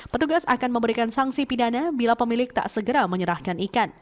petugas akan memberikan sanksi pidana bila pemilik tak segera menyerahkan ikan